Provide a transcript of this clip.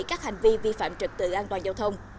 các hành vi vi phạm trực tự an toàn giao thông